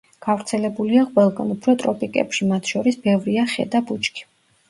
გვარცელებულია ყველგან, უფრო ტროპიკებში, მათ შორის ბევრია ხე და ბუჩქი.